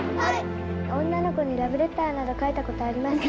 女の子にラブレターなど書いたことありますか？